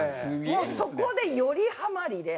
もうそこでよりハマりで。